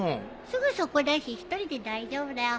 すぐそこだし一人で大丈夫だよ。